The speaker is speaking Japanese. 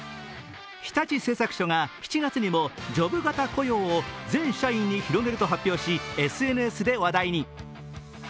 日立製作所が７月にもジョブ型雇用を全社員に広げると発表しＳＮＳで話題に。